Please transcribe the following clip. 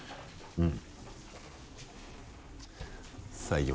うん。